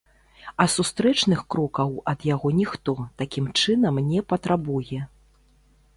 А сустрэчных крокаў ад яго ніхто, такім чынам, не патрабуе.